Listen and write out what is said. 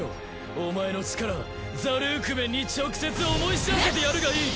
お前の力ザ・ルークメンに直接思い知らせてやるがいい。